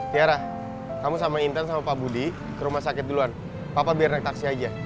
tiara kamu sama intan sama pak budi ke rumah sakit duluan papa biar naik taksi aja